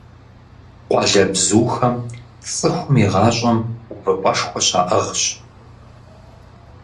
Къуалэбзухэм цӀыхум и гъащӀэм увыпӀэшхуэ щаӀыгъщ.